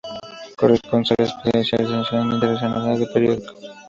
Corresponsal especial de la sección internacional del periódico.